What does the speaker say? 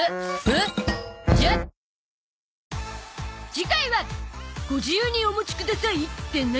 次回は「ご自由にお持ちください」って何？